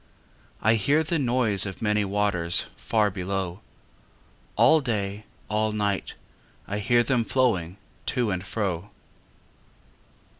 I hear the noise of many waters Far below. All day, all night, I hear them flowing To and fro.